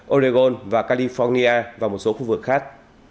oregon và california và một số khu vực khác